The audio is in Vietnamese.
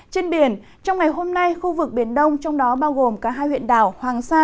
trên biển trong ngày hôm nay khu vực biển đông trong đó bao gồm cả hai huyện đảo hoàng sa